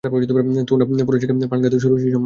থেনা, পৌরাণিক, প্রাণঘাতী ও সুরুচিসম্মত।